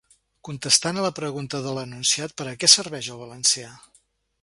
Contestant a la pregunta de l’enunciat, per a què serveix el valencià?